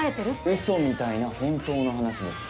うそみたいな本当の話です。